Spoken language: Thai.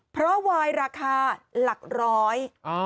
เพราะวายราคาหลักร้อย